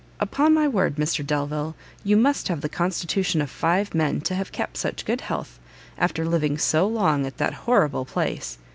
Upon my word, Mr Delvile, you must have the constitution of five men, to have kept such good health, after living so long at that horrible place.